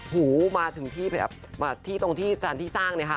หูมาเที่ยงตรงที่สถานที่สร้าง